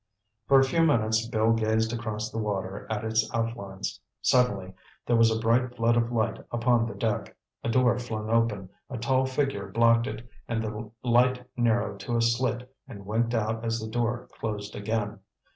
For a few minutes Bill gazed across the water at its outlines. Suddenly there was a bright flood of light upon the deck. A door flung open, a tall figure blocked it, and the light narrowed to a slit and winked out as the door closed again.